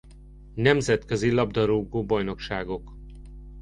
Nemzetközi labdarúgó-bajnokságok